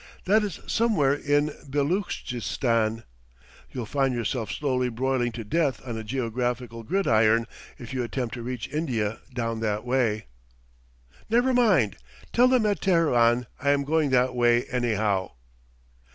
That is somewhere in Beloochistan. You'll find yourself slowly broiling to death on a geographical gridiron if you attempt to reach India down that way." "Never mind; tell them at Teheran I am going that way anyhow."